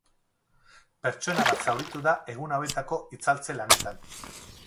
Pertsona bat zauritu da egun hauetako itzaltze-lanetan.